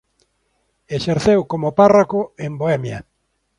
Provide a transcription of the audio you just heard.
Exerceu como párroco en Bohemia.